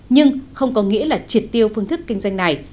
nhưng không có nghĩa là triệt tiêu phương thức kinh doanh này